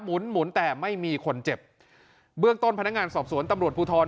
หมุนหมุนแต่ไม่มีคนเจ็บเบื้องต้นพนักงานสอบสวนตำรวจภูทร